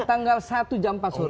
tanggal satu jam empat sore